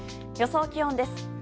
予想気温です。